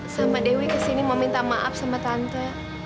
sama dewi kesini mau minta maaf sama tante